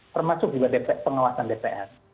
termasuk juga pengawasan dps